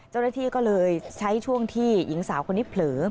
เจ้าหน้าที่ก็เลยใช้ช่วงที่หญิงสาวคนนี้เผลอ